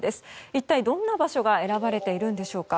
一体どんな場所が選ばれているんでしょうか。